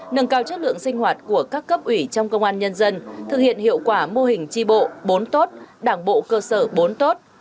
nâng cao chất lượng sinh hoạt của các cấp ủy trong công an nhân dân thực hiện hiệu quả mô hình tri bộ bốn tốt đảng bộ cơ sở bốn tốt